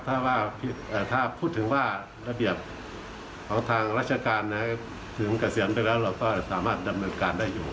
ถ้าพูดถึงว่าระเบียบของทางราชการถึงเกษียณไปแล้วเราก็สามารถดำเนินการได้อยู่